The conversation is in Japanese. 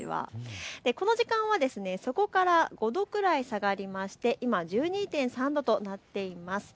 この時間はそこから５度くらい下がりまして今、１２．３度となっています。